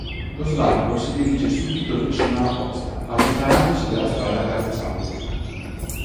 Lo slargo si dirige subito vicino alla costa, allontanandosi dalla strada carrozzabile.